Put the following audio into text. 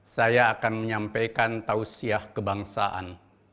saya akan menyampaikan tausiah kebangsaan